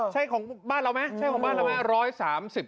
ใช่ของบ้านเราไหม